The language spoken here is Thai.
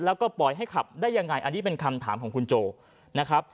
แล้วก็ปล่อยให้ขับได้ยังไงอันนี้เป็นคำถามของคุณโจนะครับ